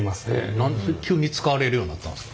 何で急に使われるようになったんですか？